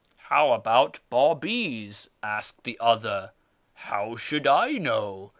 ' How about Bt'ibis ?' asked the other. ' How should I know ?